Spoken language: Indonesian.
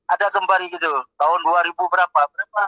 ada kembali gitu tahun dua ribu berapa